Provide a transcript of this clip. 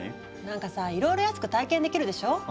なんかさいろいろ安く体験できるでしょ？